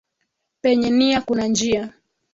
Penye nia kuna njia.